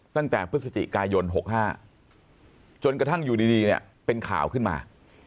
ตั้งแต่พฤศจิกายน๖๕จนกระทั่งอยู่ดีเนี่ยเป็นข่าวขึ้นมา